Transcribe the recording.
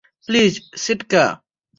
Please, সিটকা।